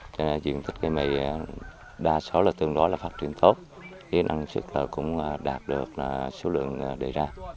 cho nên diện tích cây mì đa số tương đối là phát triển tốt kỹ năng suất cũng đạt được số lượng đề ra